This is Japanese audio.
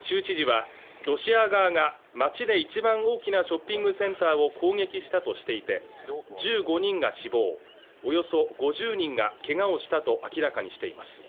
州知事はロシア側が町で一番大きなショッピングセンターを攻撃したとしていて１５人が死亡およそ５０人がけがをしたと明らかにしています